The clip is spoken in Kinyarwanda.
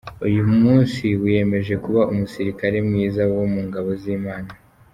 Uyu musi wiyemeze kuba umusirikare mwiza wo mu ngabo z’Imana.